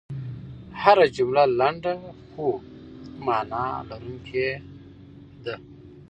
هره جمله لنډه خو مانا لرونکې ده.